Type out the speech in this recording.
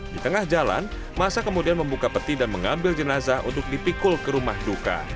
di tengah jalan masa kemudian membuka peti dan mengambil jenazah untuk dipikul ke rumah duka